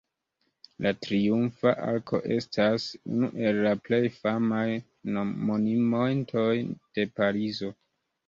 La Triumfa Arko estas unu el la plej famaj monumentoj de Parizo.